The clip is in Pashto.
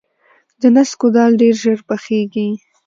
د نسکو دال ډیر ژر پخیږي.